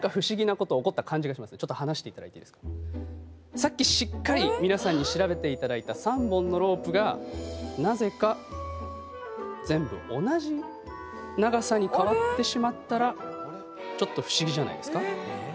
さっきしっかり皆さんに調べていただいた３本のロープがなぜか全部同じ長さに変わってしまったらちょっと不思議じゃないですか？